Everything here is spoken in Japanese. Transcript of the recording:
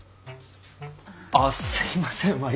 あっすいません